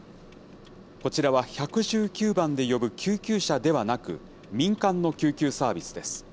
こちらは１１９番で呼ぶ救急車ではなく、民間の救急サービスです。